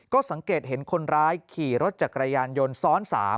ก็สังเกตเห็นคนร้ายขี่รถจักรยานยนต์ซ้อน๓